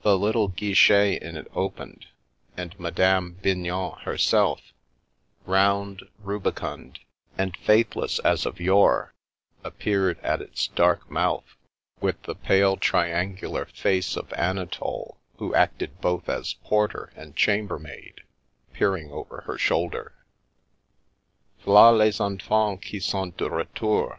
The little guichet in it opened, and Ma dame Bignon herself, round, rubicund and faithless as 235 The Milky Way of yore, appeared at its dark mouth, with the pale, tri angular face of Anatole, who acted both as porter and chambermaid, peering over her shoulder. " Via les en f ants qui sont de retour!